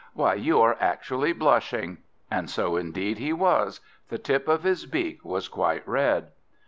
Why, you are actually blushing." And so indeed he was; the tip of his beak was quite red.